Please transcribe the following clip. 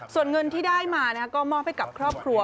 ส่วนเงินที่ได้มาก็มอบให้กับครอบครัว